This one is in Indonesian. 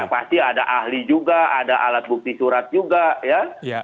pasti ada ahli juga ada alat bukti surat juga ya